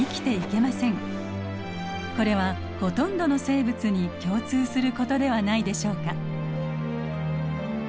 これはほとんどの生物に共通することではないでしょうか。